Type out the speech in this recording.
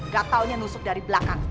gak taunya nusuk dari belakang